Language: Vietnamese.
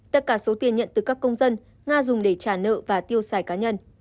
tất cả số tiền nhận từ các công dân nga dùng để trả nợ và tiêu xài cá nhân